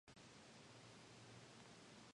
He was buried in Alexander Nevsky cemetery, Tallinn.